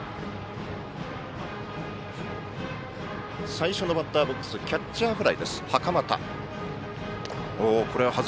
最初のバッターボックスキャッチャーフライの袴田。